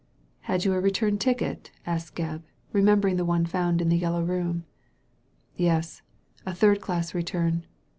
"Had you a return ticket?" asked Gebb, re membering the one found in the Yellow Room. Yes; a third class return.